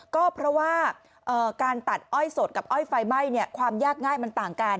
ก็เพราะว่าการตัดอ้อยสดกับอ้อยไฟไหม้ความยากง่ายมันต่างกัน